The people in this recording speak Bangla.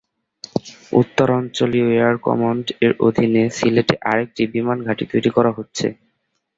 উত্তরাঞ্চলীয় এয়ার কমান্ড এর অধীনে সিলেটে আরেকটি বিমানঘাঁটি তৈরি করা হচ্ছে।